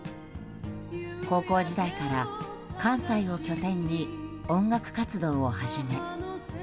高校時代から関西を拠点に音楽活動を始め。